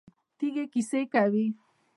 تیږې کیسې کوي.